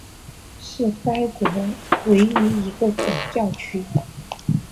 是该国唯一一个总教区。